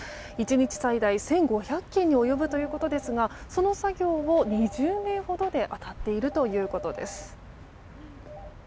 １日最大１５００件に及ぶということですがその作業を２０名ほどで当たっているということです。